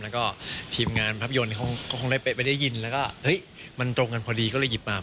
แล้วก็ทีมงานภาพยนตร์เขาก็คงได้ไปได้ยินแล้วก็เฮ้ยมันตรงกันพอดีก็เลยหยิบมา